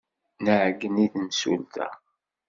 Nɛeyyen i temsulta.